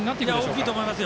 大きいと思います。